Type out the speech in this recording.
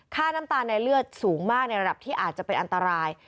น้ำตาลในเลือดสูงมากในระดับที่อาจจะเป็นอันตราย